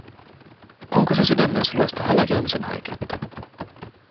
Onko se sydämen suloista halajoimisen haikeutta?